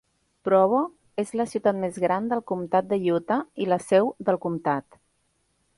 Provo és la ciutat més gran del comtat de Utah i la seu del comtat.